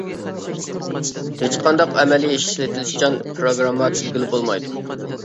ھېچ قانداق ئەمەلىي ئىشلىتىشچان پىروگرامما تۈزىگىلى بولمايدۇ.